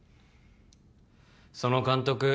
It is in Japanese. その監督